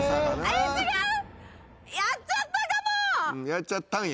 やっちゃったんや。